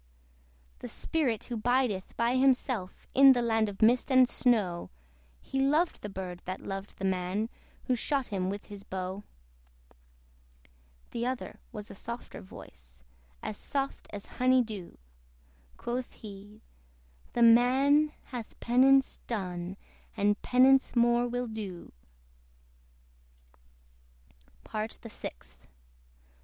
"The spirit who bideth by himself In the land of mist and snow, He loved the bird that loved the man Who shot him with his bow." The other was a softer voice, As soft as honey dew: Quoth he, "The man hath penance done, And penance more will do." PART THE SIXTH.